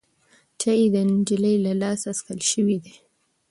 چای د نجلۍ له لاسه څښل شوی دی.